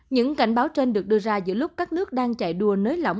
những cảnh báo trên được đưa ra giữa lúc các nước đang chạy đua nới lỏng